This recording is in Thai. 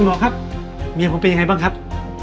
คุณหมอครับมีงผมไปยังไงบ้างครับ